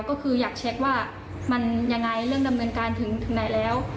ก็คืออยากเช็คว่ามันยังไงเรื่องดำเนินการถึงไหนแล้ว